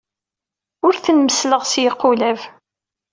Ur ten-messleɣ s yiqulab.